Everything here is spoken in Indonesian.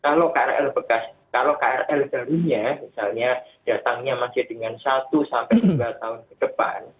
kalau krl darinya misalnya datangnya masih dengan satu sampai dua tahun ke depan